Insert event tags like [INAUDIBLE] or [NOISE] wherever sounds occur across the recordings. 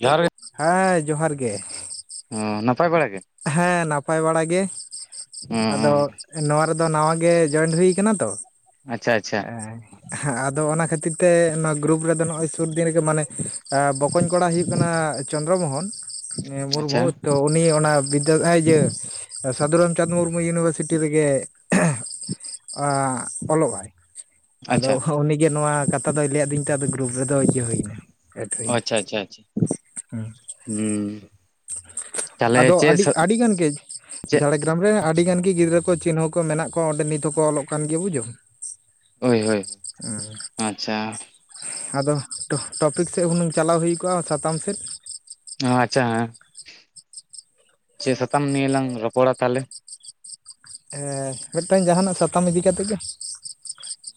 ᱡᱚᱦᱟᱨ ᱦᱮᱸ, ᱡᱚᱦᱟᱨ ᱜᱮ᱾ ᱦᱚᱸ, ᱱᱟᱯᱟᱭ ᱵᱟᱲᱟ ᱜᱮ᱾ ᱦᱮᱸ, ᱱᱟᱯᱟᱭ ᱵᱟᱲᱟ ᱜᱮ᱾ ᱟᱫᱚ ᱚᱸ ᱱᱚᱣᱟ ᱨᱮᱫᱚ ᱱᱟᱶᱟ ᱜᱮ ᱡᱚᱭᱮᱱᱴ ᱦᱩᱭ ᱟᱠᱟᱱᱟ ᱛᱳ᱾ ᱟᱪᱪᱷᱟ ᱟᱪᱪᱷᱟ ᱮ ᱦᱮ, ᱟᱫᱚ ᱚᱱᱟ ᱠᱷᱟᱹᱛᱤᱨ ᱛᱮ ᱱᱚᱶᱟ ᱜᱨᱩᱯ ᱨᱮᱫᱚ ᱱᱚᱜᱼᱚᱭ ᱥᱩᱨ ᱫᱤᱱ ᱨᱮᱜᱮ ᱢᱟᱱᱮ ᱵᱚᱠᱚᱧ ᱠᱚᱲᱟ ᱦᱩᱭᱩᱜ ᱠᱟᱱᱟ ᱪᱚᱱᱫᱨᱚ ᱢᱚᱦᱚᱱ ᱢᱩᱨᱢᱩ᱾ ᱟᱪᱪᱷᱟ ᱛᱚ ᱩᱱᱤ ᱚᱱᱟ [UNINTELLIGIBLE] ᱤᱭᱟᱹ ᱥᱟᱟᱹᱫᱷᱩ ᱨᱟᱢᱪᱟᱸᱫᱽ ᱢᱩᱨᱢᱩ ᱤᱭᱩᱱᱤᱵᱷᱟᱹᱨᱥᱤᱴᱤ ᱨᱮᱜᱮ ᱟ ᱚᱞᱚᱜᱼ ᱟᱭ᱾ ᱟᱫᱚ ᱟᱪᱪᱷᱟ ᱩᱱᱤ ᱜᱮ ᱱᱚᱶᱟ ᱠᱟᱛᱷᱟ ᱫᱚᱭ ᱞᱟᱹᱭ ᱟᱹᱫᱤᱧ ᱛᱟᱛᱮᱸᱫ ᱟᱫᱚ ᱜᱨᱩᱯ ᱨᱮᱫᱚ ᱡᱚᱣᱮᱱ ᱦᱩᱭᱱᱟ᱾ ᱮᱴ ᱦᱩᱭᱱᱟ᱾ ᱚ ᱟᱪᱪᱷᱟ ᱟᱪᱪᱷᱟ ᱟᱪᱪᱷᱟ᱾ [UNINTELLIGIBLE] ᱦᱩᱸ᱾ ᱛᱟᱦᱚᱞᱮ ᱟᱫᱚ ᱪᱮᱫ ᱟᱹᱰᱤ ᱥᱟ ᱟᱹᱰᱤ ᱜᱟᱱ ᱜᱮ ᱪᱮᱫ ᱡᱷᱟᱲᱜᱨᱟᱢ ᱨᱮ ᱟᱹᱰᱤ ᱜᱟᱱ ᱜᱮ ᱜᱤᱫᱽᱨᱟᱹ ᱠᱚ ᱪᱤᱱᱦᱟᱹᱣ ᱠᱚ ᱢᱮᱱᱟᱜ ᱠᱚᱣᱟ, ᱚᱸᱰᱮ ᱱᱤᱛ ᱦᱚᱸᱠᱚ ᱚᱞᱚᱜ ᱠᱟᱱ ᱜᱮᱭᱟ ᱵᱩᱡᱷᱟᱹᱣ᱾ ᱦᱳᱭ ᱦᱳᱭ᱾ ᱟᱪᱪᱷᱟ ᱟᱫᱚ ᱴᱚᱯᱤᱠ ᱥᱮᱫ ᱦᱩᱱᱟᱹᱝ ᱪᱟᱞᱟᱣ ᱦᱩᱭ ᱠᱚᱜᱼᱟ, ᱥᱟᱛᱟᱢ ᱥᱮᱫ᱾ ᱚ ᱟᱪᱪᱷᱟ ᱦᱮᱸ᱾ ᱪᱮᱫ ᱥᱟᱛᱟᱢ ᱱᱤᱭᱟᱹ ᱞᱟᱝ ᱨᱚᱯᱚᱲᱟ ᱛᱟᱦᱞᱮ? ᱦᱮᱸ ᱢᱤᱫᱴᱟᱝ ᱡᱟᱦᱟᱱᱟᱜ ᱥᱟᱛᱟᱢ ᱤᱫᱤ ᱠᱟᱛᱮᱫ ᱜᱮ᱾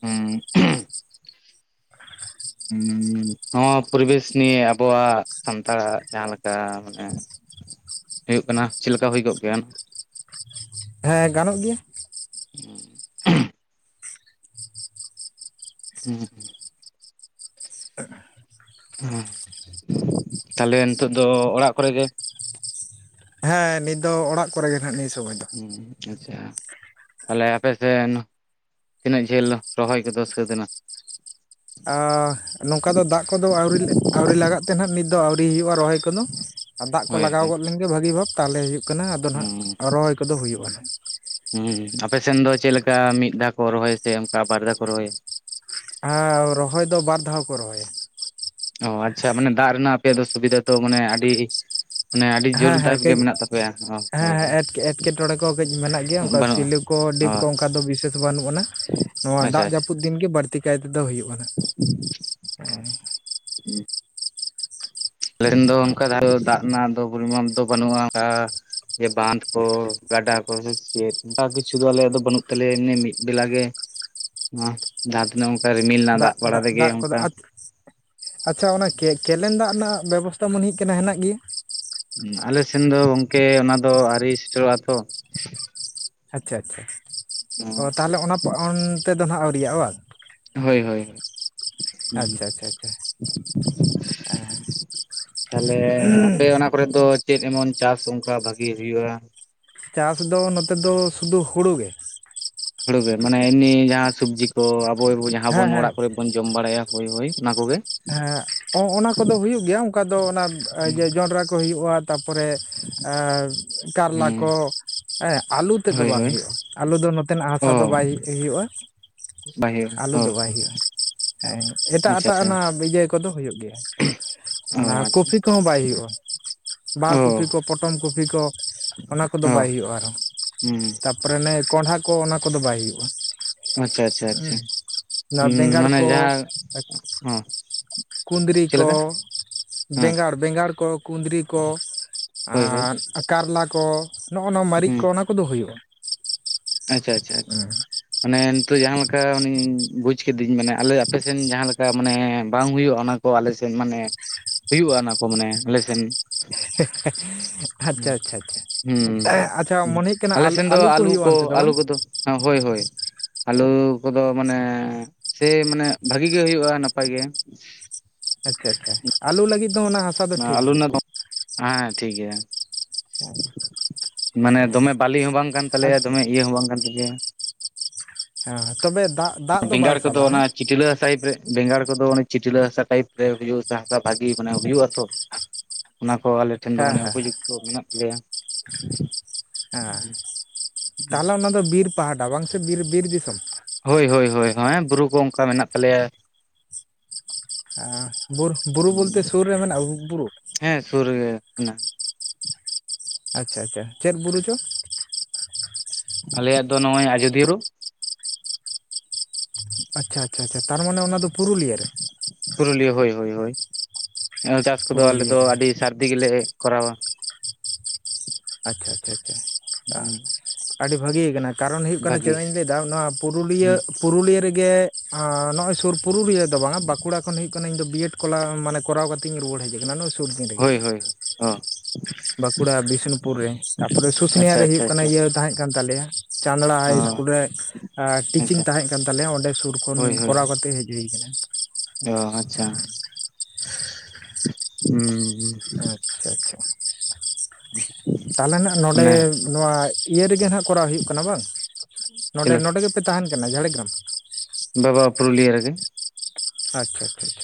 ᱦᱮᱸ᱾ [UNINTELLIGIBLE] ᱦᱚᱸ ᱯᱚᱨᱤᱵᱮᱥ ᱱᱤᱭᱮ ᱟᱵᱚᱣᱟᱜ ᱥᱟᱱᱛᱟᱲᱟᱜ ᱡᱟᱦᱟᱸᱞᱮᱠᱟ ᱢᱟᱱᱮ ᱦᱩᱭᱩᱜ ᱠᱟᱱᱟ᱾ ᱪᱮᱫ ᱞᱮᱠᱟ ᱦᱩᱭ ᱠᱚᱜ ᱠᱷᱟᱱ? ᱦᱮᱸ ᱜᱟᱱᱚᱜ ᱜᱮᱭᱟ᱾ [UNINTELLIGIBLE] ᱦᱩᱸ᱾ [UNINTELLIGIBLE] [UNINTELLIGIBLE] ᱛᱟᱦᱞᱮ ᱱᱤᱛᱚᱜ ᱫᱚ ᱚᱲᱟᱜ ᱠᱚᱨᱮ ᱜᱮ᱾ ᱦᱮᱸ ᱱᱤᱛ ᱫᱚ ᱚᱲᱟᱜ ᱠᱚᱨᱮᱜ ᱜᱮ ᱱᱷᱟᱜ ᱱᱤᱭᱟᱹ ᱥᱚᱢᱚᱭ ᱫᱚ᱾ ᱦᱩᱸ, ᱟᱪᱪᱷᱟ᱾ ᱛᱟᱦᱞᱮ ᱟᱯᱮ ᱥᱮᱱ ᱛᱤᱱᱟᱹᱜ ᱡᱷᱟᱹᱞ ᱨᱚᱦᱚᱭ ᱠᱚᱫᱚ ᱥᱟᱹᱛ ᱮᱱᱟ? ᱟᱻ ᱱᱚᱝᱠᱟ ᱫᱚ ᱫᱟᱜ ᱠᱚᱫᱚ ᱟᱹᱣᱨᱤ ᱟᱹᱣᱨᱤ ᱞᱟᱜᱟᱜ ᱛᱮ ᱱᱷᱟᱜ ᱱᱤᱛ ᱫᱚ ᱟᱹᱣᱨᱤ ᱦᱩᱭᱩᱜᱼᱟ ᱨᱚᱦᱚᱭ [UNINTELLIGIBLE] ᱟ ᱫᱟᱜ ᱠᱚ ᱦᱳᱭ ᱞᱟᱜᱟᱣ ᱦᱳᱭ ᱜᱚᱫ ᱞᱮᱱ ᱜᱮ ᱵᱷᱟᱹᱜᱤ ᱵᱷᱟᱵᱽ᱾ ᱛᱟᱦᱞᱮ ᱦᱩᱭᱩᱜ ᱠᱟᱱᱟ, ᱟᱫᱚ ᱱᱷᱟᱜ ᱦᱩᱸ ᱨᱚᱦᱚᱭ ᱠᱚᱫᱚ ᱦᱩᱭᱩᱜᱼᱟ ᱦᱟᱸᱜ᱾ ᱦᱩᱸ ᱟᱯᱮᱥᱱ ᱫᱚ ᱪᱮᱫ ᱞᱮᱠᱟ ᱢᱤᱫ ᱫᱷᱟᱣ ᱠᱚ ᱨᱚᱦᱭᱟ ᱪᱮ ᱚᱱᱠᱟ ᱵᱟᱨ ᱫᱷᱟᱣ ᱠᱚ ᱨᱚᱦᱚᱭᱟ? ᱟ ᱨᱚᱦᱚᱭ ᱫᱚ ᱵᱟᱨ ᱫᱷᱟᱣ ᱠᱚ ᱨᱚᱦᱚᱭᱟ᱾ ᱚ ᱟᱪᱪᱷᱟ ᱢᱟᱱᱮ ᱫᱟᱜ ᱨᱮᱱᱟᱜ ᱟᱯᱮᱭᱟᱜ ᱫᱚ ᱥᱩᱵᱤᱫᱷᱟ ᱛᱚ ᱢᱟᱱᱮ ᱟᱹᱰᱤ ᱢᱟᱱᱮ ᱟᱹᱰᱤ ᱦᱮᱸ ᱦᱮᱸ ᱡᱳᱨᱫᱟᱨ ᱠᱟᱹᱡ ᱜᱮ ᱢᱮᱱᱟᱜ ᱛᱟᱯᱮᱭᱟ ᱚ ᱦᱮᱸ ᱦᱳᱭ ᱦᱳᱭ ᱦᱮᱸ ᱮᱴᱠᱮᱴᱚᱬᱮ ᱠᱚᱦᱚᱸ ᱠᱟᱹᱡ ᱢᱮᱱᱟᱜ ᱜᱮᱭᱟ ᱚᱱᱠᱟ ᱵᱟᱹᱱᱩᱜᱼᱟ [INAUDIBLE] ᱠᱚ ᱰᱤᱯ ᱚ ᱠᱚ ᱚᱱᱠᱟ ᱫᱚ ᱵᱤᱥᱮᱥ ᱵᱟᱹᱱᱩᱜ ᱟᱱᱟ ᱱᱚᱣᱟ ᱟᱪᱪᱷᱟ ᱫᱟᱜ ᱟᱪᱪᱷᱟ ᱡᱟᱹᱯᱩᱫ᱾ ᱫᱤᱱ ᱜᱮ ᱵᱟᱹᱲᱛᱤ ᱠᱟᱭ ᱛᱮᱫᱚ ᱦᱩᱭᱩᱜᱼᱟ ᱱᱟᱜ᱾ [UNINTELLIGIBLE] ᱟᱞᱮᱴᱷᱮᱱ ᱫᱚ ᱚᱱᱠᱟ ᱫᱟᱜ ᱨᱮᱱᱟᱜ ᱫᱚ ᱯᱚᱨᱤᱢᱟᱱ ᱫᱚ ᱵᱟᱹᱱᱩᱜᱼᱟ ᱚᱱᱠᱟ᱾ ᱡᱮ ᱵᱟᱸᱫᱷ ᱠᱚ ᱜᱟᱰᱟ ᱠᱚ ᱥᱮ ᱪᱮᱫ᱾ ᱚᱱᱠᱟ ᱠᱤᱪᱷᱩ ᱫᱚ ᱟᱞᱮᱭᱟᱜ ᱫᱚ ᱵᱟᱹᱱᱩᱜ ᱛᱟᱞᱮᱭᱟᱮ ᱢᱤᱫ ᱵᱮᱞᱟ ᱜᱮ ᱡᱟᱸᱦᱟ ᱛᱤᱱᱟᱹᱜ᱾ ᱨᱤᱢᱤᱞ ᱨᱮᱱᱟᱜ ᱫᱟᱜ ᱵᱟᱲᱟ ᱛᱮᱜᱮ ᱚᱝᱠᱟ᱾ ᱟᱪᱪᱷᱟ ᱚᱱᱟ ᱠᱮᱱᱮᱱ ᱫᱟᱜ ᱵᱮᱵᱚᱥᱛᱷᱟ ᱢᱚᱱᱮ ᱦᱩᱭᱩᱜ ᱠᱟᱱᱟ ᱦᱮᱱᱟᱜ ᱜᱮᱭᱟ ᱟᱞᱮ ᱥᱮᱱ ᱫᱚ ᱜᱚᱝᱠᱮ ᱚᱱᱟ ᱫᱚ ᱟᱹᱣᱨᱤ ᱥᱮᱴᱮᱨᱚᱜᱼᱟ ᱛᱚ᱾ ᱟᱪᱪᱷᱟ ᱟᱪᱪᱷᱟ ᱚ ᱛᱟᱦᱚᱞᱮ ᱚᱱᱟ ᱛᱮᱫᱚ ᱱᱟᱜ ᱟᱹᱣᱨᱤᱭᱟᱜ ᱵᱟᱝ᱾ ᱦᱳᱭ ᱦᱳᱭ ᱦᱳᱭ ᱟᱪᱪᱷᱟ ᱟᱪᱪᱷᱟ ᱟᱪᱪᱷᱟ ᱛᱟᱦᱞᱮ ᱟᱯᱮ ᱚᱱᱟ ᱟᱯᱮ ᱠᱚᱨᱮ ᱫᱚ ᱪᱮᱫ ᱮᱢᱚᱱ ᱪᱟᱥ ᱚᱱᱠᱟ ᱵᱷᱟᱜᱤ ᱦᱩᱭᱩᱜᱼᱟ᱾ ᱪᱟᱥ ᱫᱚ ᱱᱚᱛᱮ ᱫᱚ ᱥᱩᱫᱩ ᱦᱩᱲᱩ ᱜᱮ᱾ ᱦᱩᱲᱩᱜᱮ ᱢᱟᱱᱮ ᱮᱢᱱᱤ ᱡᱟᱦᱟᱸ ᱥᱚᱵᱡᱤ ᱠᱚ ᱟᱵᱚ ᱟᱵᱚ ᱡᱟᱸᱦᱟ ᱦᱮᱸ ᱵᱚᱱ ᱦᱮᱸ ᱚᱲᱟᱜ ᱠᱚᱨᱮ ᱵᱚᱱ ᱡᱚᱢ ᱵᱟᱲᱟᱭᱟ ᱦᱳᱭ ᱦᱳᱭ ᱚᱱᱟ ᱠᱚᱜᱮ᱾ ᱦᱮᱸ ᱚᱱᱟ ᱠᱚᱫᱚ ᱦᱩᱭᱩᱜ ᱜᱮᱭᱟ ᱚᱱᱠᱟ ᱫᱚ, ᱚᱱᱟ ᱤᱭᱟᱹ ᱡᱚᱸᱰᱨᱟ ᱠᱚ ᱦᱩᱭᱩᱜᱼᱟ ᱾ ᱛᱟ ᱮ ᱯᱚᱨᱮ ᱠᱟᱨᱞᱟ ᱠᱚ‌ ᱦᱩᱸ ᱾ ᱦᱮᱸ ᱟᱹᱞᱩ ᱛᱮᱫ ᱫᱚ ᱦᱳᱭ ᱵᱟᱝ ᱦᱳᱭ ᱦᱩᱭᱩᱜᱼᱟ ᱟᱹᱞᱩ ᱫᱚ ᱱᱚᱛᱮᱱᱟᱜ ᱦᱟᱥᱟ ᱫᱚ ᱚ ᱵᱟᱭ ᱦᱩᱭᱩᱜᱼᱟ ᱾ [UNINTELLIGIBLE] ᱦᱮᱸ ᱮᱴᱟᱜ ᱟᱪᱪᱷᱟ ᱮᱴᱟᱜ ᱟᱪᱪᱷᱟ ᱚᱱᱟ ᱤᱭᱟᱹ ᱠᱚᱫᱚ ᱦᱩᱭᱩᱜ ᱜᱮᱭᱟ ᱚ ᱚᱱᱟ ᱟᱪᱪᱷᱟ ᱠᱚᱯᱷᱤ᱾ ᱠᱚᱸᱦᱚ ᱵᱟᱭ ᱦᱩᱭᱩᱜᱼᱟ ᱵᱟᱦᱟ ᱠᱚᱯᱤ ᱚ ᱠᱚ ᱯᱚᱴᱚᱢ ᱠᱚᱯᱤ ᱠᱚ᱾ ᱚᱱᱟ ᱠᱚᱫᱚ ᱚ ᱵᱟᱭ ᱦᱩᱭᱩᱜᱼᱟ, ‌ᱟᱨᱦᱚᱸ ᱦᱩᱸ ᱛᱟᱯ᱾ ᱛᱟᱨᱯᱚᱨᱮ ᱚᱱᱮ ᱠᱚᱸᱰᱷᱟ ᱠᱚ ᱚᱱᱟ ᱠᱚᱫᱚ ᱵᱟᱭ ᱦᱩᱭᱩᱜᱼᱟ ᱾ ᱟᱪᱪᱷᱟ ᱟᱪᱪᱷᱟ ᱟᱪᱪᱷᱟ ᱢᱟᱱᱮ ᱡᱟᱸᱦᱟ᱾ ᱠᱩᱫᱽᱨᱤ ᱠᱚ, ᱦᱮᱸ ᱵᱮᱸᱜᱟᱲ ᱵᱮᱸᱜᱟᱲ ᱠᱚ ᱠᱩᱸᱫᱽᱨᱤ ᱠᱚ ᱦᱳᱭ ᱦᱳᱭ ᱟᱨ, ᱠᱟᱨᱞᱟ ᱠᱚ ᱱᱚᱜᱼᱚ ᱱᱚᱣᱟ ᱢᱟᱹᱨᱤᱪ ᱦᱩᱸ ᱠᱚ ᱚᱱᱟ ᱠᱚᱫᱚ ᱦᱩᱭᱩᱜᱼᱟ ᱾ ᱟᱪᱪᱷᱟ ᱟᱪᱪᱷᱟ ᱟᱪᱷᱟ ᱾ ᱟᱱᱮ ᱱᱤᱛᱚᱜ ᱡᱟᱦᱟᱸ ᱞᱮᱠᱟ ᱟᱱᱮ ᱵᱩᱡᱽ ᱠᱤᱫᱤᱧ ᱢᱟᱱᱮ ᱟᱞᱮ ᱟᱯᱮᱥᱮᱱ ᱡᱟᱸᱦᱟ ᱞᱮᱠᱟ ᱢᱟᱱᱮ ᱵᱟᱝ ᱦᱩᱭᱩᱜᱼᱟ ᱚᱱᱟ, ᱠᱚ ᱟᱞᱮ ᱥᱮᱫ ᱢᱟᱱᱮ ᱦᱩᱭᱩᱜᱼᱟ ᱚᱱᱟ ᱠᱚ ᱢᱟᱱᱮ ᱟᱞᱮᱥᱮᱱ ᱾ [UNINTELLIGIBLE] ᱦᱚᱸ ᱟᱪᱪᱷᱟ ᱟᱪᱪᱷᱟ ᱢᱚᱱᱮ ᱦᱩᱭᱩᱜ ᱠᱟᱱᱟ ᱟᱞᱮ ᱥᱮᱱ ᱫᱚ ᱟᱹᱞᱩ ᱦᱩᱭᱩᱜᱼᱟ ᱠᱚ ᱚᱱᱛᱮ ᱫᱚ ᱟᱹᱞᱩ ᱵᱟᱝ ᱠᱚᱫᱚ‌᱾ ᱦᱮ ᱦᱳᱭ ᱦᱳᱭ ᱾ ᱟᱞᱩ ᱠᱚᱫᱚ ᱢᱟᱱᱮ ᱥᱮ ᱢᱟᱱᱮ ᱵᱷᱟᱜᱤ ᱜᱮ ᱦᱩᱭᱩᱜᱼᱟ ᱱᱟᱯᱟᱭ ᱜᱮ ᱾ ᱟᱪᱪᱷᱟ ᱟᱪᱪᱷᱟ ᱟᱞᱩ ᱞᱟᱹᱜᱤᱫ ᱫᱚ ᱚᱱᱟ ᱦᱟᱥ ᱟᱞᱩ ᱨᱮᱱᱟᱜ ᱦᱮᱸ ᱴᱷᱤᱠ ᱜᱮᱭᱟ, ᱢᱟᱱᱮ ᱫᱚᱢᱮ ᱵᱟᱞᱤ ᱦᱚᱸ ᱵᱟᱝ ᱠᱟᱱ ᱦᱮᱸ ᱛᱟᱞᱮᱭᱟ ᱫᱚᱢᱮ ᱤᱭᱟᱹ ᱦᱚᱸ ᱵᱟᱝ ᱠᱟᱱ ᱛᱟᱞᱮᱭᱟ ᱾ ᱦᱮᱸ ᱛᱚᱵᱮ ᱫᱟᱜ ᱫᱟᱜ ᱫᱚ ᱵᱟᱭ ᱵᱮᱸᱜᱟᱲ ᱠᱚᱫᱚ ᱥᱟᱵᱟ ᱚᱱᱟ ᱦᱮᱸ [INAUDIBLE] ᱪᱤᱴᱞᱟᱹ ᱦᱟᱥᱟ ᱴᱟᱭᱤᱯ ᱨᱮ ᱵᱮᱸᱜᱟᱲ ᱠᱚᱫᱚ ᱚᱱ ᱪᱤᱴᱞᱟᱹ ᱦᱟᱥᱟ ᱴᱟᱭᱤᱯ ᱨᱮ ᱦᱩᱭᱩᱜ ᱥᱮ ᱦᱟᱥᱟ ᱵᱷᱟᱜᱤ ᱢᱟᱱᱮ ᱦᱩᱭᱩᱜ ᱟᱛᱚ ᱾ ᱚᱱᱟ ᱠᱚ ᱟᱞᱮ ᱴᱷᱮᱱ ᱫᱚ ᱦᱮᱸ ᱢᱟᱱᱮ ᱦᱮᱸ ᱦᱮᱸ ᱩᱯᱚᱡᱩᱠᱛᱚ ᱢᱮᱱᱟᱜ ᱛᱟᱞᱮᱭᱟ ᱾ ᱦᱮᱸ ᱛᱟᱦᱚᱞᱮ ᱚᱱᱟ ᱫᱚ ᱵᱤᱨ ᱯᱟᱦᱴᱟ ᱵᱟᱝ ᱥᱮ ᱵᱤᱨ ᱵᱤᱨ ᱫᱤᱥᱚᱢ? ᱦᱳᱭ ᱦᱳᱭ ᱦᱳᱭ ᱵᱩᱨᱩ ᱠᱚ ᱚᱱᱠᱟ ᱢᱮᱱᱟᱜ ᱛᱟᱞᱮᱭᱟ ᱾ ᱵᱩᱨᱩ ᱵᱚᱞᱛᱮ ᱥᱩᱨ ᱨᱮ ᱢᱮᱱᱟᱜᱼᱟ ᱵᱩᱨᱩ? ᱦᱮᱸ ᱥᱩᱨ ᱜᱮ ᱾ ᱟᱪᱪᱷᱟ ᱟᱪᱪᱷᱟ ᱪᱮᱫ ᱵᱩᱨᱩ ᱪᱚ? ᱟᱞᱮᱭᱟᱜ ᱫᱚ ᱱᱚᱜᱼᱚᱭ ᱟᱡᱚᱫᱤᱭᱟᱹ ᱵᱩᱨᱩ ᱾ ᱟᱪᱪᱷᱟ ᱟᱪᱪᱷᱟ ᱟᱪᱷᱟ ᱛᱟᱨᱢᱟᱱᱮ ᱚᱱᱟ ᱫᱚ ᱯᱩᱨᱩᱞᱤᱭᱟᱹ ᱨᱮ ᱾ ᱯᱩᱨᱩᱞᱤᱭᱟᱹ ᱦᱳᱭ-ᱦᱳᱭ ᱦᱩᱭ, ᱪᱟᱥ ᱠᱚᱫᱚ ᱟᱞᱮᱫ ᱯᱩᱨᱩᱞᱤᱭᱟᱹ ᱫᱚ ᱨᱮ ᱟᱹᱰᱤ ᱥᱟᱹᱨᱫᱤ ᱜᱮᱞᱮ ᱠᱚᱨᱟᱣᱟ ᱾ ᱟᱪᱪᱷᱟ - ᱟᱪᱪᱷᱟ ᱦᱩᱸ ᱟᱪᱷᱟ ᱟᱹᱰᱤ ᱵᱷᱟᱹᱜᱤ ᱠᱟᱱᱟ ᱾ ᱠᱟᱨᱚᱱ ᱦᱩᱭᱩᱜ ᱠᱟᱱᱟ, ᱵᱷᱟᱹᱜᱤ ᱪᱮᱫᱟᱜ ᱤᱧ ᱞᱟᱹᱭᱮᱫᱟ, ᱱᱚᱣᱟ ᱯᱩᱨᱩᱞᱤᱭᱟᱹ ᱦᱩᱸ ᱯᱩᱨᱩᱞᱤᱭᱟᱹ ᱨᱮᱜᱮ ᱟᱸ ᱱᱚᱜᱼᱚᱭ ᱥᱩᱨ ᱯᱩᱨᱩᱞᱤᱭᱟᱹ ᱾ ᱫᱚ ᱵᱟᱝ ᱵᱟᱸᱠᱩᱲᱟ ᱠᱷᱚᱱ ᱦᱩᱭᱩᱜ ᱠᱟᱱᱟ ᱤᱧ ᱫᱚ ᱵᱤᱭᱮᱰ ᱠᱚᱞᱟ ᱢᱟᱱᱮ ᱠᱚᱨᱟᱣ ᱠᱟᱛᱮ ᱤᱧ ᱨᱩᱣᱟᱹᱲ ᱦᱮᱡ ᱟᱠᱟᱱᱟ᱾ ᱾ ᱦᱳᱭ ᱦᱳᱭ ᱾ ᱵᱟᱸᱠᱩᱲᱟ ᱵᱤᱥᱱᱩᱯᱩᱨ ᱨᱮ, ᱛᱟᱨᱯᱚᱨᱮ ᱥᱩᱥᱱᱤᱭᱟ ᱟᱪᱪᱷᱟ ᱨᱮ ᱟᱪᱪᱷᱟ ᱦᱩᱭᱩᱜ ᱠᱟᱱᱟ ᱟᱪᱪᱷᱟ ᱤᱭᱟᱹ ᱛᱟᱦᱮᱸ ᱠᱟᱱ ᱛᱟᱞᱮᱭᱟ᱾ ᱪᱟᱸᱫᱽᱲᱟ ᱦᱟᱭ ᱚ ᱤᱥᱠᱩᱞ ᱨᱮ, ᱴᱤᱪᱤᱝ ᱟᱪᱪᱷᱟ ᱛᱟᱦᱮᱸ ᱠᱟᱱ ᱛᱟᱞᱮᱭᱟ᱾ ᱚᱸᱰᱮ ᱥᱩᱨ ᱠᱷᱚᱱ ᱦᱳᱭ ᱦᱳᱭ ᱠᱚᱨᱟᱣ ᱠᱟᱛᱮ ᱦᱮ ᱦᱩᱭ ᱠᱟᱱᱟ [UNINTELLIGIBLE] ᱚ ᱟᱪᱪᱷᱟ ᱦᱩᱸ ᱾ ᱟᱪᱪᱷᱟ ᱟᱪᱪᱷᱟ ᱾ [INAUDIBLE] ᱛᱟᱦᱚᱞᱮ ᱱᱟᱜ ᱱᱚᱰᱮ ᱚᱱᱮ ᱱᱚᱣᱟ ᱤᱭᱟᱹ ᱨᱮᱜᱮ ᱦᱟᱸᱜ ᱠᱚᱨᱟᱣ ᱦᱩᱭᱩᱜ ᱠᱟᱱᱟ ᱵᱟᱝ? ᱱᱚᱰᱮ ᱪᱮᱞᱮ ᱱᱚᱰᱮ ᱜᱮ ᱛᱟᱦᱮᱱ ᱠᱟᱱᱟ ᱡᱷᱟᱲᱮᱜᱮᱨᱟᱢ? ᱵᱟᱵᱟ ᱯᱩᱨᱩᱞᱤᱭᱟᱹ ᱨᱮᱜᱮ ᱾ ᱟᱪᱪᱷᱟ - ᱟᱪᱪᱷᱟ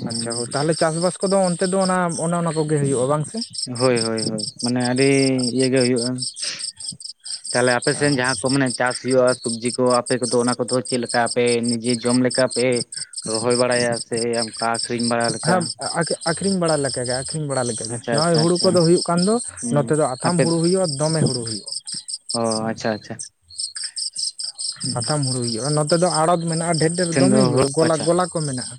ᱪᱷᱟ ᱪᱷᱟ ᱚ ᱛᱟᱦᱚᱞᱮ ᱪᱟᱥᱵᱟᱥ ᱠᱚᱫᱚ ᱚᱱᱛᱮ ᱫᱚ ᱚᱱᱟ, ᱚᱱᱮ ᱚᱱᱟ ᱠᱚᱜᱮ ᱦᱩᱭᱩᱜᱼᱟ ᱵᱟᱝ ᱥᱮ? ᱦᱳᱭ-ᱦᱳᱭ ᱦᱳᱭ ᱢᱟᱱᱮ ᱟᱹᱰᱤ ᱤᱭᱟᱹ ᱜᱮ ᱦᱩᱭᱩᱜᱼᱟ ᱾ ᱛᱟᱦᱚᱞᱮ ᱟᱯᱮ ᱥᱮᱱ ᱡᱟᱦᱟᱸ ᱠᱚ ᱢᱟᱱᱮ ᱪᱟᱥ ᱦᱩᱭᱩᱜᱼᱟ, ᱥᱚᱵᱽᱡᱤ ᱠᱚ ᱟᱯᱮ ᱠᱚᱫᱚ ᱚᱱᱟ ᱠᱚᱫᱚ ᱪᱮᱫ ᱟᱯᱮ ᱱᱤᱡᱮ ᱡᱚᱢ ᱞᱮᱠᱟ ᱯᱮ ᱨᱚᱦᱚᱭ ᱵᱟᱲᱟᱭᱟ ᱥᱮ ᱚᱱᱠᱟ ᱟᱠᱷᱨᱤᱧ ᱵᱟᱲᱟ᱾ ᱞᱮᱠᱟ [UNINTELLIGIBLE] ᱟᱠᱷᱨᱤᱧ ᱵᱟᱲᱟ ᱞᱮᱠᱟ ᱜᱮ, ᱟᱠᱷᱨᱤᱧ ᱵᱟᱲᱟ ᱞᱮᱠᱟ᱾ ᱟᱪᱪᱷᱟ ᱱᱚᱜᱼᱚᱭ ᱟᱪᱪᱷᱟ ᱦᱩᱲᱩ ᱟᱪᱪᱷᱟ ᱠᱚᱫᱚ ᱦᱩᱭᱩᱜ ᱠᱟᱱ ᱫᱚ, ᱦᱩᱸ ᱱᱚᱛᱮ ᱫᱚ ᱟᱛᱷᱟᱢ ᱟᱯᱮ ᱦᱩᱲᱩ ᱦᱩᱭᱩᱜᱼᱟ᱾ ᱫᱚᱢᱮ ᱦᱩᱲᱩ ᱦᱩᱭᱩᱜᱼᱟ᱾ ᱚ ᱟᱪᱪᱷᱟ ᱟᱪᱪᱷᱟ᱾ ᱥᱟᱛᱷᱟᱢ ᱦᱩᱲᱩ ᱦᱩᱭᱩᱜᱼᱟ, ᱱᱚᱛᱮ ᱫᱚ ᱟᱲᱚᱛ ᱢᱮᱱᱟᱜᱼᱟ ᱰᱷᱮᱨ ᱰᱷᱮᱨ ᱥᱮᱱ ᱫᱚ ᱫᱚᱢᱮ ᱦᱩᱭᱩᱜᱼᱟ, ᱦᱩᱲᱩ ᱜᱚᱞᱟ ᱟᱪᱪᱷᱟ ᱜᱚᱞᱟ ᱠᱚ ᱢᱮᱱᱟᱜᱼᱟ᱾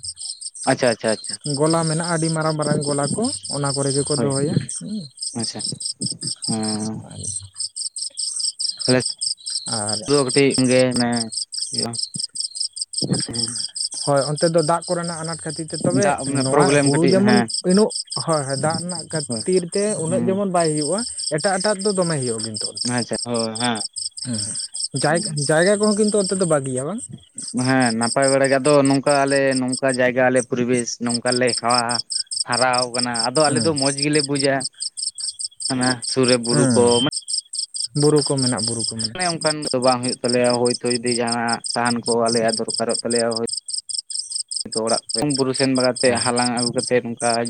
ᱟᱪᱪᱷᱟ ᱟᱪᱪᱷᱟ ᱟᱪᱪᱷᱟ ᱜᱚᱞᱟ ᱢᱮᱱᱟᱜᱼᱟ ᱟᱹᱰᱤ ᱢᱟᱨᱟᱝ ᱢᱟᱨᱟᱝ ᱜᱚᱞᱟ ᱠᱚ ᱚᱱᱟ ᱠᱚᱨᱮ ᱜᱮᱠᱚ ᱦᱳᱭ ᱫᱚᱦᱚᱭᱟ᱾ ᱦᱩᱸ ᱟᱪᱪᱷᱟ ᱦᱮᱸ ᱛᱟᱦᱚᱞᱮ ᱟᱨ ᱫᱚ ᱠᱟᱹᱴᱤᱡ ᱜᱮ ᱦᱩᱭᱩᱜᱼᱟ᱾ ᱦᱳᱭ ᱚᱱᱛᱮ ᱫᱚ ᱫᱟᱜ ᱠᱚᱨᱮᱱᱟᱜ ᱟᱱᱟᱴ ᱠᱷᱟᱹᱛᱤᱨ ᱛᱚᱵᱮ ᱫᱟᱜ ᱢᱟᱱᱮ ᱱᱚᱣᱟ ᱯᱨᱚᱵᱞᱮᱢ ᱦᱩᱲᱩ ᱠᱟᱹᱴᱤᱡ ᱡᱮᱢᱚᱱ ᱦᱮᱸ ᱩᱱᱟᱹᱜ ᱦᱳᱭ-ᱦᱳᱭ ᱫᱟᱜ ᱨᱮᱱᱟᱜ ᱦᱳᱭ ᱠᱷᱟᱹᱛᱤᱨ ᱛᱮ ᱩᱱᱟᱹᱜ ᱡᱮᱢᱚᱱ᱾ ᱦᱮᱸ ᱵᱟᱭ ᱦᱩᱭᱩᱜᱼᱟ, ᱮᱴᱟᱜ ᱮᱴᱟᱜ ᱫᱚᱢᱮ ᱦᱩᱭᱩᱜᱼᱟ ᱠᱤᱱᱛᱩ᱾ ᱦᱮᱸ ᱟᱪᱪᱷᱟ ᱦᱳᱭ ᱦᱮᱸ ᱡᱟᱭᱜᱟ ᱠᱚᱦᱚᱸ ᱠᱤᱱᱛᱩ ᱚᱱᱛᱮ ᱫᱚ ᱵᱟᱹᱜᱤᱭᱟ ᱵᱟᱝ? ᱦᱮᱸ ᱱᱟᱯᱟᱭ ᱵᱟᱲ ᱜᱮ ᱟᱫᱚ ᱱᱚᱝᱠᱟ ᱟᱞᱮ ᱱᱚᱝᱠᱟ ᱡᱟᱭᱜᱟ ᱞᱮ ᱯᱚᱨᱤᱵᱮᱥ ᱱᱚᱝᱠᱟ ᱞᱮ ᱦᱮᱣᱟ᱾ ᱦᱟᱨᱟ ᱣᱟᱱᱟ ᱟᱫᱚ ᱟᱞᱮ ᱦᱩᱸ ᱫᱚ ᱢᱚᱸᱡᱽ ᱜᱮᱞᱮ ᱵᱩᱡᱟ ᱾ ᱦᱮᱸ ᱵᱩᱨᱩ ᱠᱚ ᱢᱮᱱᱟᱜ ᱵᱩᱨᱩ ᱠᱚ᱾ ᱢᱮᱱᱟᱜ ᱮ ᱚᱱᱠᱟ ᱫᱚ ᱵᱟᱝ ᱦᱩᱭᱩᱜ ᱛᱟᱞᱮᱭᱟ, ᱦᱳᱭᱛᱳ ᱡᱩᱫᱤ ᱡᱟᱦᱟᱱᱟᱜ ᱥᱟᱦᱟᱱ ᱠᱚ ᱟᱞᱮᱭᱟᱜ ᱫᱚᱨᱠᱟᱨᱚᱜ ᱛᱟᱞᱮᱭᱟ᱾ ᱚᱲᱟᱜ ᱵᱩᱨᱩ ᱥᱮᱱ ᱵᱟᱲᱟ ᱛᱮ ᱦᱟᱞᱟᱝ ᱟᱹᱜᱩ ᱠᱟᱛᱮ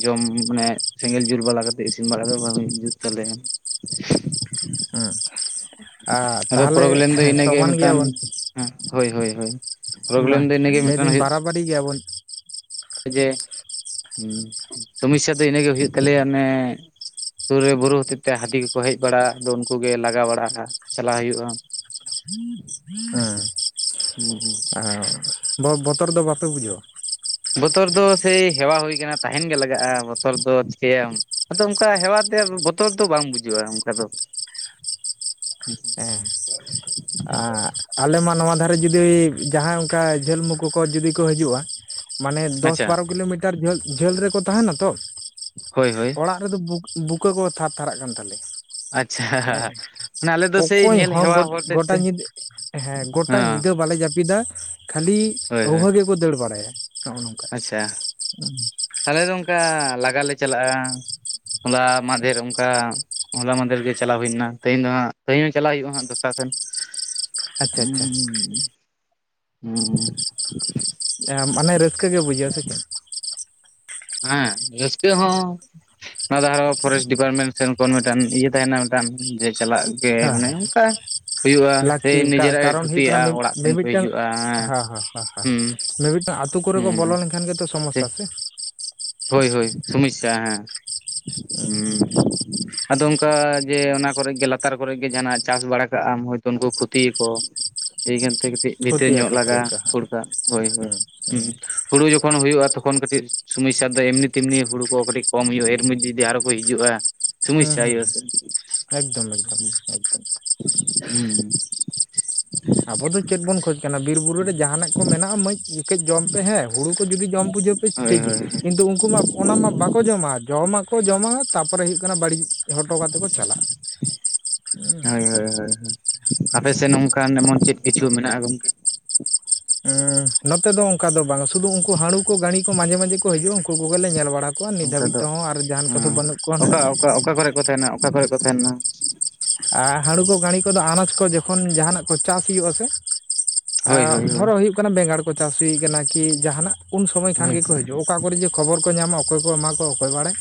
ᱡᱚᱢ ᱢᱟᱱᱮ ᱥᱮᱸᱜᱮᱞ ᱡᱩᱞ ᱵᱟᱲᱟ ᱠᱟᱛᱮᱫ ᱤᱥᱤᱱ ᱵᱟᱲᱟ ᱠᱟᱛᱮ ᱵᱷᱟᱜᱤ ᱡᱩᱛ ᱛᱟᱞᱮᱭᱟ᱾ ᱟ ᱟᱫᱚ ᱛᱟᱦᱞᱮ ᱯᱨᱚᱵᱞᱮᱢ ᱫᱚ ᱤᱱᱟᱹᱜᱮ ᱥᱚᱢᱟᱱ ᱜᱮᱭᱟ ᱵᱚᱱ᱾ ᱢᱤᱫᱴᱟᱝ ᱦᱮᱸ ᱦᱳᱭ - ᱦᱳᱭ - ᱦᱳᱭ ᱯᱳᱨᱚᱵᱮᱞᱮᱢ ᱫᱚ ᱤᱱᱟᱹᱜᱮ ᱢᱤᱫᱴᱟᱝ ᱦᱩᱭᱩᱜ ᱵᱟᱹᱲᱤ ᱜᱮᱭᱟ ᱵᱚᱱ᱾ ᱡᱮ ᱥᱚᱢᱳᱥᱼᱥᱟ ᱫᱚ ᱤᱱᱟᱹ ᱜᱮ ᱦᱩᱭᱩᱜ ᱛᱟᱞᱮᱭᱟ ᱚᱱᱮ᱾ ᱥᱩᱨ ᱨᱮ ᱵᱩᱨᱩ ᱦᱚᱛᱮᱫ ᱛᱮ ᱦᱟᱹᱛᱤ ᱠᱚᱠᱚ ᱦᱮᱡ ᱵᱟᱲᱟᱜᱼᱟ, ᱟᱫᱚ ᱩᱱᱠᱩ ᱜᱮ ᱞᱟᱜᱟ ᱵᱟᱲᱟ ᱪᱟᱞᱟᱣ ᱦᱩᱭᱩᱜᱼᱟ᱾ ᱦᱮᱸ ᱦᱩᱸ ᱦᱩᱸ [UNINTELLIGIBLE] ᱵᱚ ᱵᱚᱛᱚᱨ ᱫᱚ ᱵᱟᱯᱮ ᱵᱩᱡᱷᱟᱹᱣᱟ᱾ ᱵᱚᱛᱚᱨ ᱫᱚ ᱥᱮᱭ ᱦᱮᱣᱟ ᱦᱩᱭ ᱟᱠᱟᱱᱟ, ᱛᱟᱦᱮᱱ ᱜᱮ ᱞᱟᱜᱟᱜᱼᱟ, ᱵᱚᱛᱚᱨ ᱫᱚ ᱪᱮᱠᱟᱹᱭᱟᱢ᱾ ᱟᱫᱚ ᱚᱱᱠᱟ ᱦᱮᱣᱟ ᱛᱮ ᱵᱚᱛᱚᱨ ᱫᱚ ᱵᱟᱝ ᱵᱩᱡᱷᱟᱹᱣᱼᱟ ᱚᱱᱠᱟ ᱫᱚ᱾ ᱦᱮ ᱦᱮᱸ [UNINTELLIGIBLE] ᱟᱨ ᱟᱞᱮ ᱢᱟ ᱱᱚᱣᱟ ᱫᱷᱟᱨᱮ ᱡᱩᱫᱤ ᱡᱟᱦᱟᱸᱭ ᱚᱱᱠᱟ ᱡᱷᱟᱹᱞ ᱢᱩ ᱠᱚᱠᱚ ᱡᱩᱫᱤ ᱠᱚ ᱦᱤᱡᱩᱜᱼᱟ᱾ ᱢᱟᱱᱮ ᱫᱚᱥ ᱟᱪᱪᱷᱟ ᱵᱟᱨᱚ ᱠᱤᱞᱳᱢᱤᱴᱟᱨ ᱡᱷᱟᱹᱞ ᱡᱷᱟᱹᱞ ᱨᱮᱠᱚ ᱛᱟᱦᱮᱱᱟ ᱛᱚ᱾ ᱦᱳᱭ ᱦᱳᱭ ᱾ ᱚᱲᱟᱜ ᱨᱮᱫᱚ ᱵᱩᱠ, ᱵᱩᱠᱟᱹ ᱠᱚ ᱛᱷᱟᱨ ᱛᱷᱟᱨᱟᱜ ᱠᱟᱱ ᱛᱟᱞᱮᱭᱟ ᱟᱪᱪᱷᱟ ᱾ ᱮᱸ, ᱢᱟᱱᱮ ᱟᱞᱮ ᱫᱚ ᱥᱮᱭ ᱚᱠᱚᱭ ᱧᱮᱞ ᱦᱚᱸ ᱦᱮᱣᱟ ᱜᱚᱴ, ᱦᱚᱲ ᱛᱮᱫ ᱜᱚᱴᱟ ᱛᱮ ᱧᱤᱫᱟᱹ ᱦᱮᱸ, ᱜᱚᱴᱟ ᱦᱚᱸ ᱧᱤᱫᱟᱹ ᱵᱟᱞᱮ ᱡᱟᱹᱯᱤᱫᱟ ᱠᱷᱟᱹᱞᱤ ᱦᱳᱭ ᱦᱳᱭ ᱟᱹᱣᱷᱟᱹ ᱜᱮ ᱠᱚ ᱫᱟᱹᱲ ᱵᱟᱲᱟᱭᱟ, ᱱᱚᱜᱼᱚᱭ ᱱᱚᱝᱠᱟ ᱾ ᱟᱪᱪᱷᱟ ᱾ ᱟᱞᱮ ᱫᱚ ᱚᱱᱠᱟ ᱞᱟᱜᱟ ᱞᱮ ᱪᱟᱞᱟᱜᱼᱟ ᱾ ᱦᱚᱞᱟ ᱢᱟᱫᱷᱮᱨ ᱚᱱᱠᱟ ᱦᱚᱞᱟ ᱢᱟᱦᱫᱮᱨ ᱜᱮ ᱪᱟᱞᱟᱣ ᱦᱩᱭ ᱞᱮᱱᱟ᱾ ᱛᱮᱦᱤᱧ ᱫᱚ ᱦᱟᱸᱜ, ᱛᱮᱦᱤᱧ ᱪᱟᱞᱟᱜ ᱦᱩᱭᱩᱜᱼᱟ ᱦᱟᱸᱜ ᱫᱚᱥᱴᱟᱨ ᱥᱮᱱ ᱟᱪᱪᱷᱟ ᱟᱪᱪᱷᱟ ᱦᱩᱸ, ᱦᱮᱸ ᱾ ᱢᱟᱱᱮ ᱨᱟᱹᱥᱠᱟᱹ ᱜᱮ ᱵᱩᱡᱷᱟᱹᱜᱼᱟ ᱥᱮ ᱪᱮᱫ? ᱦᱮᱸ, ᱨᱟᱹᱥᱠᱟᱹ ᱦᱚᱸ ᱚᱱᱟ ᱫᱚ ᱟᱨᱚ ᱯᱷᱚᱨᱮᱥᱴ ᱰᱤᱯᱟᱨᱢᱮᱱᱴ ᱥᱮᱱ ᱠᱷᱚᱱ ᱢᱤᱫᱴᱟᱱ ᱤᱭᱟᱹ ᱛᱟᱦᱮᱱᱟ, ᱢᱤᱫᱴᱟᱱ ᱡᱮ ᱪᱟᱞᱟᱜ ᱜᱮ, ᱦᱮᱸ ᱢᱟᱱᱮ ᱚᱱᱠᱟ ᱦᱩᱭᱩᱜᱼᱟ ᱥᱮ ᱞᱟᱹᱠᱛᱤ ᱱᱤᱡᱮᱨᱟᱜ ᱜᱮ ᱠᱟᱨᱚᱱ ᱦᱩᱭᱩᱜ ᱠᱟᱱᱟ ᱠᱷᱚᱛᱤᱜᱼᱟ, ᱚᱲᱟᱜ ᱥᱮᱱ ᱠᱚ ᱦᱤᱡᱩᱜᱼᱟ, ᱦᱮᱸ ᱾ ᱢᱤᱢᱤᱫ ᱴᱟᱝ ᱟᱹᱛᱩ ᱠᱚᱨᱮ ᱠᱚ ᱵᱚᱞᱚ ᱞᱮᱱᱠᱷᱟᱱ ᱜᱮᱛᱚ ᱥᱚᱢᱚᱥᱥᱟ ᱦᱩᱸ ᱥᱮ ᱾ ᱦᱳᱭ ᱦᱳᱭ, ᱥᱚᱢᱚᱥᱥᱟ ᱦᱮᱸ ᱾ ᱦᱮᱸ ᱾ ᱟᱫᱚ ᱚᱱᱠᱟ ᱡᱮ ᱚᱱᱟ ᱠᱚᱨᱮ ᱜᱮ ᱞᱟᱛᱟᱨ ᱠᱚᱨᱮ ᱜᱮ ᱡᱟᱦᱟᱸ ᱱᱟᱜ ᱪᱟᱥ ᱵᱟᱲᱟ ᱠᱟᱜ ᱟᱢ, ᱦᱚᱭᱛᱚ ᱩᱱᱠᱩ ᱠᱷᱚᱛᱤᱭᱟᱠᱚ ᱾ ᱮᱭ ᱠᱟᱨᱚᱱ ᱛᱮ ᱠᱟᱹᱴᱤᱡ ᱵᱷᱤᱛᱨᱤ ᱧᱚᱜ ᱠᱷᱚᱛᱤᱭᱟᱠᱚ ᱞᱟᱜᱟ ᱠᱷᱚᱛᱤᱭᱟᱠᱚ ᱠᱷᱟᱹᱲ ᱠᱟᱜ, ᱦᱳᱭ ᱦᱳᱭ, ᱦᱩᱸ ᱾ ᱦᱩᱲᱩ ᱡᱚᱠᱷᱚᱱ ᱦᱩᱭᱩᱜᱼᱟ, ᱛᱚᱠᱷᱚᱱ ᱠᱟᱹᱴᱤᱡ ᱥᱚᱢᱥ ᱥᱟ ᱱᱮᱛᱟᱨ ᱫᱚ ᱮᱢᱱᱤ ᱛᱮᱢᱱᱤ ᱦᱩᱲᱩ ᱠᱚ ᱠᱟᱹᱴᱤᱡ ᱠᱚᱢ ᱦᱩᱭᱩᱜᱼᱟ, ᱮᱨ ᱢᱚᱫᱷᱮ ᱡᱩᱫᱤ ᱟᱨᱚ ᱠᱚ ᱦᱤᱡᱩᱜᱼᱟ ᱦᱩᱸ ᱥᱚᱢᱚᱥᱟ ᱦᱩᱸ ᱦᱩᱸ ᱦᱩᱭᱩᱜ-ᱟ ᱥᱮ ᱮᱠᱫᱚᱢ ᱾ ᱮᱠᱫᱚᱢ ᱦᱩᱸ ᱮᱠᱫᱚᱢ ᱾ ᱟᱵᱚ ᱫᱚ ᱪᱮᱫ ᱵᱚᱱ ᱠᱷᱚᱡ ᱠᱟᱱᱟ, ᱵᱤᱨ ᱵᱩᱨᱩ ᱨᱮ ᱡᱟᱦᱟᱱᱟᱜ ᱠᱚ ᱢᱮᱱᱟᱜᱼᱟ ᱠᱟᱹᱡ ᱡᱚᱢ ᱯᱮ ᱦᱮᱸ, ᱦᱩᱲᱩ ᱠᱚ ᱡᱩᱫᱤ ᱡᱚᱢ ᱵᱩᱡᱷᱟᱹᱣ ᱯᱮ ᱦᱳᱭ ᱴᱷᱤᱠ ᱜᱮᱭᱟ ᱦᱳᱭ ᱾ ᱠᱤᱱᱛᱩ ᱩᱱᱠᱩ ᱢᱟ ᱚᱱᱟ ᱢᱟ ᱵᱟᱠᱚ ᱡᱚᱢᱟ ᱡᱚᱢᱟᱜ ᱠᱚ ᱡᱚᱢᱟ, ᱛᱟᱯᱚᱨᱮ ᱦᱩᱭᱩᱜ ᱠᱟᱱᱟ ᱵᱟᱹᱲᱤᱡ ᱦᱚᱴᱚ ᱠᱟᱛᱮ ᱠᱚ ᱪᱟᱞᱟᱜᱼᱟ ᱾ ᱦᱳᱭ ᱦᱳᱭ, ᱦᱮᱸ ᱦᱮᱸ ᱾ ᱟᱯᱮ ᱥᱮᱫ ᱱᱚᱝᱠᱟᱱ ᱮᱢᱚᱱ ᱪᱮᱫ ᱠᱤᱪᱷᱩ ᱢᱮᱱᱟᱜᱼᱟ? ᱜᱚᱝᱠᱮ ᱾ ᱦᱩᱸ, ᱱᱚᱛᱮ ᱫᱚ ᱚᱱᱠᱟ ᱫᱚ ᱵᱟᱝ, ᱥᱩᱫᱩ ᱩᱱᱠᱩ ᱦᱟᱹᱬᱩ ᱠᱚ ᱜᱟᱺᱲᱤ ᱠᱚ ᱢᱟᱡᱷᱮ ᱢᱟᱡᱷᱮ ᱠᱚ ᱦᱤᱡᱩᱜᱼᱟ, ᱩᱱᱠᱩ ᱠᱚᱜᱮ ᱞᱮ ᱧᱮᱞ ᱵᱟᱲᱟ ᱠᱚᱣᱟ ᱾ᱱᱤᱛ ᱚᱱᱠᱟ ᱫᱷᱟᱹᱵᱤᱡ ᱫᱚ ᱛᱮᱦᱚᱸ ᱟᱨ ᱡᱟᱦᱟᱱ ᱠᱚᱫᱚ ᱦᱮᱸ ᱵᱟᱹᱱᱩᱜ ᱠᱚᱣᱟ ᱱᱟᱦᱟᱜ ᱚᱠᱟ ᱾ ᱚᱠᱟ, ᱚᱠᱟ ᱠᱚᱨᱮ ᱠᱚ ᱛᱟᱦᱮᱱᱟ? ᱚᱠᱟ ᱠᱚᱨᱮ ᱠᱚ ᱛᱟᱦᱮᱱᱟ? ᱟᱨ ᱦᱟᱺᱲᱩ ᱠᱚ ᱜᱟᱺᱲᱤ ᱠᱚᱫᱚ, ᱟᱱᱟᱡᱽ ᱠᱚ ᱡᱚᱠᱷᱚᱱ ᱡᱟᱦᱟᱱᱟᱜ ᱠᱚ ᱪᱟᱥ ᱦᱩᱭᱩᱜ-ᱟ ᱥᱮ ᱦᱳᱭ ᱦᱳᱭ ᱦᱳᱭ ᱫᱷᱚᱨᱚ ᱦᱩᱭᱩᱜ ᱠᱟᱱᱟ, ᱵᱮᱸᱜᱟᱲ ᱠᱚ ᱪᱟᱥ ᱦᱩᱭ ᱟᱠᱟᱱᱟ ᱠᱤ ᱡᱟᱦᱱᱟᱜ ᱩᱱ ᱥᱚᱢᱚᱭ ᱠᱷᱟᱱ ᱦᱳᱭ ᱜᱮᱠᱚ ᱦᱤᱡᱩᱜ ᱟ᱾ ᱚᱠᱟ ᱠᱚᱨᱮ ᱡᱮ ᱠᱷᱚᱵᱚᱨ ᱠᱚ ᱧᱟᱢᱟ ᱚᱠᱚᱭ ᱠᱚ ᱮᱢᱟ ᱠᱚᱣᱟ ᱚᱠᱚᱭ ᱵᱟᱲᱟᱭ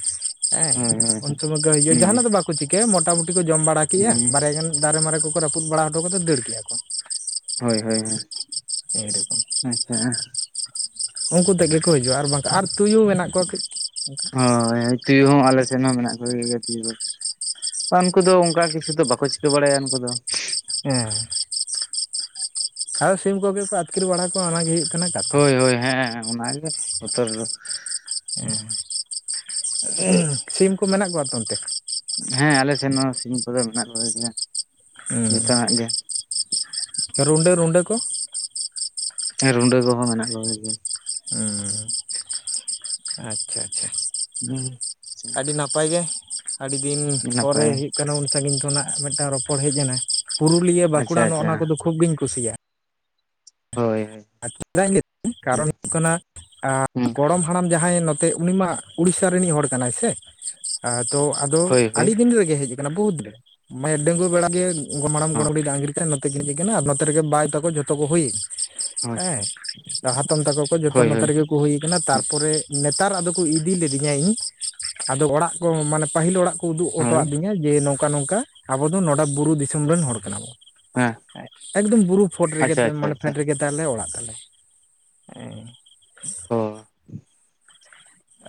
ᱦᱮᱸ, ᱦᱳᱭ ᱦᱳᱭ ᱩᱱ ᱥᱚᱢᱚᱭ ᱠᱚ ᱦᱤᱡᱩᱜ-ᱟ ᱦᱳᱭ ᱾ᱡᱟᱦᱟᱱᱟᱜ ᱫᱚ ᱵᱟᱠᱚ ᱪᱤᱠᱟᱹᱭᱟ ᱢᱚᱴᱟ ᱢᱩᱴᱤ ᱠᱚ ᱡᱚᱢ ᱵᱟᱲᱟ ᱠᱮᱫᱼᱟ, ᱵᱟᱨᱭᱟ ᱜᱟᱱ ᱫᱟᱨᱮ ᱢᱟᱨᱮ ᱠᱚ ᱠᱚ ᱨᱟᱹᱯᱩᱫ ᱵᱟᱲᱟ ᱦᱚᱴᱚ ᱠᱟᱛᱮᱫ ᱫᱟᱹᱲ ᱠᱮᱫᱮᱜᱼᱟ ᱠᱚ ᱾ ᱦᱳᱭ ᱦᱳᱭ ᱦᱳᱭ ᱾ [UNINTELLIGIBLE] ᱟᱪᱪᱷᱟ ᱾ ᱩᱱᱠᱩ ᱛᱮᱫ ᱜᱮᱠᱚ ᱦᱤᱡᱩᱜᱼᱟ ᱟᱨ ᱵᱟᱝᱠᱷᱟᱱ ᱟᱨ ᱛᱩᱭᱩ ᱢᱮᱱᱟᱜ ᱠᱚᱣᱟ ᱠᱟᱹᱡ ᱾ ᱦᱳᱭ ᱛᱩᱭᱩ ᱦᱚᱸ ᱟᱞᱮ ᱥᱮᱱ ᱦᱚᱸ ᱢᱮᱱᱟᱜ ᱠᱚ ᱜᱮᱭᱟ ᱛᱩᱭᱩ ᱫᱚ ᱾ ᱵᱟᱝ ᱩᱱᱠᱩ ᱫᱚ ᱚᱱᱠᱟ ᱠᱤᱪᱷᱩ ᱫᱚ ᱵᱟᱠᱚ ᱪᱤᱠᱟᱹ ᱵᱟᱲᱟᱭᱟ ᱩᱱᱠᱩ ᱫᱚ ᱾ ᱦᱮᱸ ᱾ ᱟᱨ ᱥᱤᱢ ᱠᱚᱜᱮ ᱠᱚ ᱟᱹᱛᱠᱤᱨ ᱵᱟᱲᱟ ᱠᱚᱣᱟ, ᱚᱱᱟ ᱜᱮ ᱦᱩᱭᱩᱜ ᱠᱟᱱᱟ ᱠᱟᱛᱷᱟ ᱾ ᱦᱳᱭ ᱦᱳᱭ, ᱦᱮᱸ, ᱚᱱᱟ ᱜᱮ ᱵᱚᱛᱚᱨ ᱫᱚ ᱾ ᱥᱤᱢ ᱠᱚ ᱢᱮᱱᱟᱜ ᱠᱚᱣᱟ ᱛᱚ ᱚᱱᱛᱮ? ᱦᱮᱸ, ᱟᱞᱮ ᱥᱮᱱ ᱦᱚᱸ ᱥᱤᱢ ᱠᱚᱫᱚ ᱢᱮᱱᱟᱜ ᱠᱚ ᱜᱮᱭᱟ ᱡᱚᱛᱚᱱᱟᱜ ᱜᱮ ᱾ ᱨᱩᱸᱰᱟᱹ, ᱨᱩᱸᱰᱟᱹ ᱠᱚ? ᱨᱩᱸᱰᱟᱹ ᱠᱚᱦᱚᱸ ᱢᱮᱱᱟᱜ ᱠᱚ ᱜᱮᱭᱟ ᱾ ᱦᱮᱸ ᱾ ᱟᱪᱪᱷᱟ ᱟᱪᱪᱷᱟ ᱾ ᱦᱮᱸ ᱟᱹᱰᱤ ᱱᱟᱯᱟᱭ ᱜᱮ ᱟᱹᱰᱤ ᱫᱤᱱ ᱯᱚᱨᱮ ᱱᱟᱯᱟᱭ ᱦᱩᱭᱩᱜ ᱠᱟᱱᱟ ᱩᱱ ᱥᱟᱺᱜᱤᱧ ᱠᱷᱚᱱᱟᱜ ᱢᱤᱫᱴᱟᱝ ᱨᱚᱯᱚᱲ ᱦᱮᱡ ᱮᱱᱟ ᱯᱩᱨᱩᱞᱤᱭᱟᱹ, ᱟᱪᱪᱷᱟ ᱵᱟᱸᱠᱩᱲᱟ ᱱᱚᱜᱼ ᱟᱪᱪᱷᱟ ᱱᱚᱣᱟ ᱠᱚᱫᱚ ᱠᱷᱩᱵᱽ ᱜᱤᱧ ᱠᱩᱥᱤᱭᱟᱜᱼᱟ᱾ ᱦᱳᱭ ᱦᱳᱭ ᱪᱮᱫᱟᱜ ᱠᱟᱨᱚᱱ ᱦᱩᱭᱩᱜ ᱠᱟᱱᱟ ᱦᱳᱭ ᱜᱚᱲᱚᱢ ᱦᱟᱲᱟᱢ ᱡᱟᱦᱟᱸᱭ ᱱᱚᱛᱮ ᱩᱱᱤ ᱢᱟ ᱩᱲᱤᱥᱥᱟ ᱨᱤᱱᱤᱡ ᱦᱚᱲ ᱠᱟᱱᱟᱭ ᱥᱮ ᱛᱚ ᱟ ᱫᱚ ᱦᱳᱭ ᱦᱳᱭ ᱟᱹᱰᱤ ᱫᱤᱱ ᱨᱮᱜᱮ ᱦᱮᱡ ᱟᱠᱟᱱᱟ ᱵᱚᱦᱩᱛ ᱨᱮ ᱢᱟᱱᱮ ᱰᱟᱝᱜᱩᱣᱟ ᱵᱮᱲᱟ ᱜᱮ ᱦᱚᱸ [UNINTELLIGIBLE] ᱟᱸᱜᱤᱨ ᱱᱚᱛᱮ ᱜᱮᱧ ᱦᱤᱡ ᱠᱟᱱᱟ ᱟᱨ ᱱᱚᱛᱮ ᱨᱮᱜᱮ ᱵᱟᱭ ᱛᱟᱠᱚ ᱡᱷᱚᱛᱚ ᱠᱚ ᱦᱩᱭ [UNINTELLIGIBLE] ᱦᱳᱭ ᱦᱮᱸ ᱦᱟᱛᱚᱢ ᱛᱟᱠᱚ ᱠᱚ ᱡᱚᱛᱚ ᱦᱳᱭ ᱱᱚᱛᱮ ᱦᱳᱭ ᱨᱮᱜᱮ ᱠᱚ ᱦᱩᱭ ᱠᱟᱱᱟ ᱛᱟᱨᱯᱚᱨᱮ ᱱᱮᱛᱟᱨ ᱟᱫᱚ ᱠᱚ ᱤᱫᱤ ᱞᱤᱫᱤᱧᱟ ᱤᱧ᱾ ᱟᱫᱚ ᱚᱲᱟᱜ ᱠᱚ ᱢᱟᱱᱮ ᱯᱟᱹᱦᱤᱞ ᱚᱲᱟᱜ ᱩᱫᱩᱜ ᱦᱳᱭ ᱦᱚᱴᱚᱣᱟᱫᱤᱧᱟ ᱡᱮ ᱱᱚᱝᱠᱟ ᱱᱚᱝᱠᱟ ᱟᱵᱚ ᱫᱚ ᱱᱚᱰᱮ ᱵᱩᱨᱩ ᱫᱤᱥᱚᱢ ᱨᱮᱱ ᱦᱚᱲ ᱠᱟᱱᱟ ᱵᱚᱱ᱾ ᱦᱮᱸ ᱮᱠᱫᱚᱢ ᱵᱩᱨᱩ ᱯᱷᱳᱰ ᱟᱪᱪᱷᱟ ᱨᱮᱜᱮ ᱟᱪᱪᱷᱟ ᱢᱟᱱᱮ ᱟᱪᱪᱷᱟ ᱯᱷᱮᱰ ᱨᱮᱜᱮ ᱛᱟᱞᱮ ᱚᱲᱟᱜ ᱛᱟᱞᱮ ᱦᱮᱸ ᱚ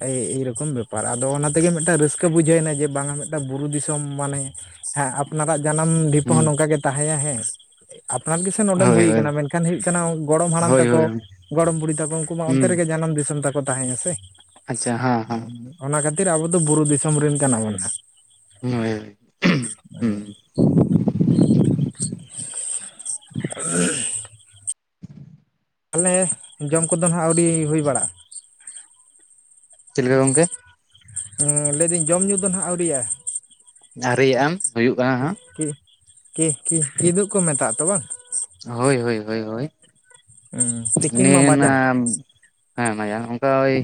ᱮᱭ ᱮᱭᱨᱚᱠᱚᱢ ᱵᱮᱯᱟᱨ ᱟᱫᱚ ᱚᱱᱟ ᱛᱮᱜᱮ ᱢᱤᱫᱴᱟᱱ ᱨᱟᱹᱥᱠᱟᱹ ᱵᱩᱡᱷᱟᱹᱣᱱᱟ ᱡᱮ ᱵᱟᱝᱟ ᱢᱤᱫᱴᱟᱝ ᱵᱩᱨᱩ ᱫᱤᱥᱚᱢ ᱢᱟᱱᱮ ᱦᱮᱸ ᱟᱯᱱᱟᱨᱟᱜ ᱡᱟᱱᱟᱢ ᱫᱷᱤᱯᱩ ᱦᱚᱸ ᱦᱩᱸ ᱱᱚᱝᱠᱟ ᱜᱮ ᱛᱟᱦᱮᱸᱱᱟ ᱦᱮᱸ ᱟᱯᱱᱟᱨ ᱜᱮᱥᱮ ᱱᱚᱰᱮᱢ ᱦᱳᱭ ᱦᱩᱭ ᱦᱳᱭ ᱟᱠᱟᱱᱟ ᱢᱮᱱᱠᱷᱟᱱ ᱦᱩᱭᱩᱜ ᱠᱟᱱᱟ ᱜᱚᱲᱚᱢ ᱦᱟᱲᱟᱢ ᱦᱳᱭ ᱛᱟᱠᱚ ᱦᱳᱭ ᱜᱚᱲᱚᱢ ᱵᱩᱲᱦᱤ ᱛᱟᱠᱚ ᱩᱱᱠᱩ ᱢᱟ ᱚᱱᱛᱮ ᱦᱩᱸ ᱨᱮᱜᱮ ᱡᱟᱱᱟᱢ ᱫᱤᱥᱚᱢ ᱛᱟᱠᱚ ᱛᱟᱦᱮᱸᱭᱟ ᱥᱮ᱾ ᱟᱪᱪᱷᱟ ᱦᱮᱸ ᱦᱮᱸ ᱚᱱᱟ ᱠᱷᱟᱹᱛᱤᱨ ᱟᱵᱚ ᱫᱚ ᱵᱩᱨᱩ ᱫᱤᱥᱚᱢ ᱨᱮᱱ ᱠᱟᱱᱟ ᱵᱚᱱ ᱦᱟᱸᱜ ᱦᱳᱭ ᱦᱳᱭ ᱚᱸ ᱦᱩᱸ [UNINTELLIGIBLE] ᱛᱟᱞᱮ ᱡᱚᱢ ᱠᱚᱫᱚ ᱱᱟᱦᱟᱸᱜ ᱟᱹᱣᱨᱤ ᱦᱩᱭ ᱵᱟᱲᱟᱜᱼᱟ᱾ ᱪᱮᱫ ᱞᱮᱠᱟ ᱜᱚᱝᱠᱮ ᱦᱮᱸ ᱞᱟᱹᱭᱫᱟᱹᱧ ᱡᱚᱢ ᱧᱩ ᱫᱚ ᱱᱟᱦᱟᱸᱜ ᱟᱹᱣᱨᱤᱭᱟᱜᱼᱟ᱾ ᱟᱹᱣᱨᱤ ᱭᱟᱜ ᱟᱢ ᱦᱩᱭᱩᱜ ᱠᱟᱱᱟ ᱠᱤ ᱦᱟᱸᱜ ᱠᱤ ᱠᱤ ᱠᱤ ᱠᱤᱫᱩ ᱠᱚ ᱢᱮᱛᱟᱜᱼᱟ ᱛᱚ ᱵᱟᱝ? ᱦᱳᱭ ᱦᱳᱭ ᱦᱳᱭ ᱦᱳᱭ ᱛᱤᱠᱤᱱ ᱢᱟ ᱱᱮ ᱵᱟᱡᱟᱱ ᱱᱟᱢ ᱦᱮᱸ ᱢᱟᱸᱡᱟᱱ ᱚᱱᱠᱟ ᱳᱭ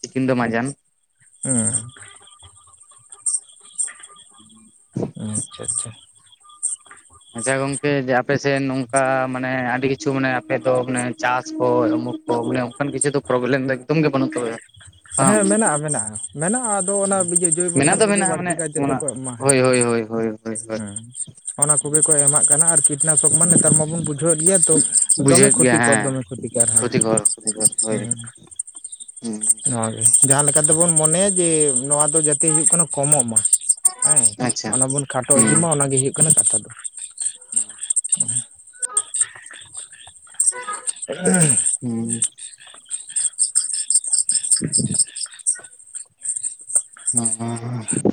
ᱛᱤᱠᱤᱱ ᱫᱚ ᱢᱟᱡᱟᱱ ᱦᱮᱸ ᱦᱮᱸ [UNINTELLIGIBLE] ᱟᱪᱪᱷᱟ ᱟᱪᱪᱷᱟ ᱟᱪᱪᱷᱟ ᱜᱚᱝᱠᱮ ᱡᱮ ᱟᱯ ᱟᱯᱮᱥᱮᱫ ᱱᱚᱝᱠᱟ ᱢᱟᱱᱮ ᱟᱹᱰᱤ ᱠᱤᱪᱷᱩ ᱢᱟᱱᱮ ᱟᱯᱮᱫᱚ ᱢᱟᱱᱮ ᱪᱟᱥ ᱠᱚ ᱩᱢᱩᱠ ᱠᱚ [UNINTELLIGIBLE] ᱚᱸᱠᱟᱱ ᱠᱤᱪᱷᱩ ᱫᱚ ᱯᱨᱚᱵᱮᱞᱮᱢ ᱫᱚ ᱮᱜᱫᱚᱢ ᱜᱮ ᱵᱟᱹᱱᱩᱜ ᱛᱟᱯᱮᱭᱟ᱾ ᱵᱟᱝ ᱦᱮᱸ ᱢᱮᱱᱟᱜᱼᱟ ᱢᱮᱱᱟᱜᱼᱟ ᱢᱮᱱᱟᱜᱼᱟ᱾ [UNINTELLIGIBLE] ᱫᱚ ᱚᱱᱟ ᱡᱚᱭᱵᱚ ᱢᱮᱱᱟᱜ ᱥᱟᱨ ᱫᱚ ᱠᱚᱜᱮ ᱢᱮᱱᱟᱜᱼᱟ ᱵᱟᱹᱲᱛᱤ ᱢᱟᱱᱮ ᱠᱟᱭᱛᱮ ᱫᱚ ᱚᱱᱟ ᱠᱚ ᱮᱢᱟ ᱦᱮᱸ ᱦᱳᱭ ᱦᱳᱭ ᱦᱳᱭ ᱦᱳᱭ ᱦᱳᱭ ᱦᱳᱭ ᱚᱱᱟ ᱠᱚᱜᱮ ᱠᱚ ᱮᱢᱟᱜ ᱠᱟᱱᱟ ᱟᱨᱠᱤ ᱠᱤᱴᱱᱟᱥᱚᱠ ᱢᱟ ᱱᱮᱛᱟᱨ ᱢᱟᱵᱚᱱ ᱵᱩᱡᱷᱟᱹᱣᱮᱫ ᱜᱮᱭᱟ ᱛᱚ ᱫᱚᱢᱮ ᱵᱩᱡᱷᱟᱹᱜ ᱜᱮᱭᱟ ᱠᱷᱚᱛᱤᱠᱚᱨ ᱦᱮᱸ ᱫᱚᱢᱮ ᱠᱷᱚᱛᱤᱠᱚᱨ ᱦᱮᱸ [UNINTELLIGIBLE] ᱦᱩᱸ ᱱᱚᱣᱟᱜᱮ ᱡᱟᱦᱟᱸᱞᱮᱠᱟ ᱛᱮᱵᱚᱱ ᱢᱚᱱᱮᱭᱟ ᱡᱮ ᱱᱚᱣᱟ ᱫᱚ ᱡᱟᱛᱮ ᱦᱩᱭᱩᱜ ᱠᱟᱱᱟ ᱠᱚᱢᱚᱜ ᱢᱟ᱾ ᱦᱮᱸ ᱟᱪᱪᱷᱟ ᱚᱱᱟ ᱵᱚᱱ ᱠᱷᱟᱴᱚ ᱤᱫᱤ ᱦᱩᱸ ᱢᱟ ᱚᱱᱟᱜᱮ ᱦᱩᱭᱩᱜ ᱠᱟᱱᱟ ᱠᱟᱛᱷᱟ ᱫᱚ᱾ [UNINTELLIGIBLE] ᱦᱩᱸ [UNINTELLIGIBLE]